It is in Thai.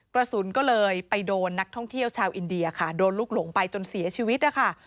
กระสุนก็เลยไปโดนนักท่องเที่ยวชาวอินเดียค่ะโดนลูกหลงไปจนเสียชีวิตนะคะ